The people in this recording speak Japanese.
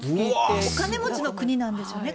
お金持ちの国なんですよね。